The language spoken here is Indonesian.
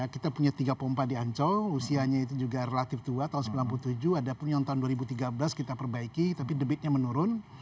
kita punya tiga pompa di ancol usianya itu juga relatif tua tahun sembilan puluh tujuh ada pun yang tahun dua ribu tiga belas kita perbaiki tapi debitnya menurun